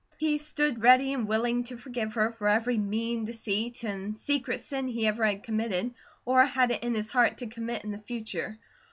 He stood ready and willing to forgive her for every mean deceit and secret sin he ever had committed, or had it in his heart to commit in the future.